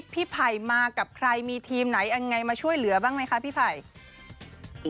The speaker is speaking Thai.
ไผ่มากับใครมีทีมไหนยังไงมาช่วยเหลือบ้างไหมคะพี่ไผ่